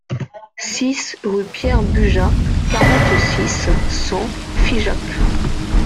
six rue Pierre Bugat, quarante-six, cent, Figeac